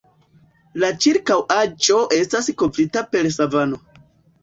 La ĉirkaŭaĵo estas kovrita per savano.